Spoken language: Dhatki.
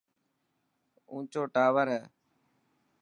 اونچو ٽاور هي.